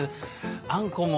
あんこも。